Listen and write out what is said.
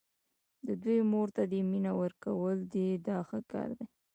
د دوی مور ته دې مینه ورکول دي دا ښه کار دی.